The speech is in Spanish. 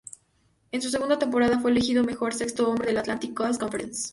En su segunda temporada fue elegido mejor sexto hombre de la Atlantic Coast Conference.